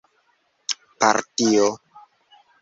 partio